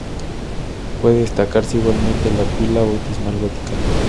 Puede destacarse igualmente la Pila bautismal gótica.